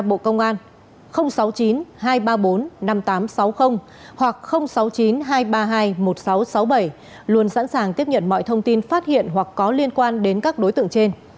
bộ công an sáu mươi chín hai trăm ba mươi bốn năm nghìn tám trăm sáu mươi hoặc sáu mươi chín hai trăm ba mươi hai một nghìn sáu trăm sáu mươi bảy luôn sẵn sàng tiếp nhận mọi thông tin phát hiện hoặc có liên quan đến các đối tượng trên